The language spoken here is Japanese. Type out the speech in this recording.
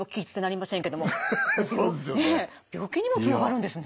病気にもつながるんですね。